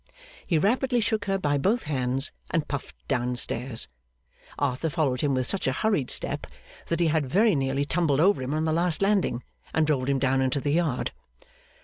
He rapidly shook her by both hands, and puffed down stairs. Arthur followed him with such a hurried step, that he had very nearly tumbled over him on the last landing, and rolled him down into the yard.